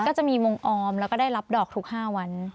ก็จะมีมงออมแล้วก็ได้รับดอกทุก๕วัน